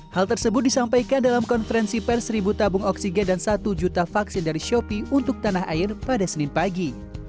hal tersebut disampaikan dalam konferensi pers seribu tabung oksigen dan satu juta vaksin dari shopee untuk tanah air pada senin pagi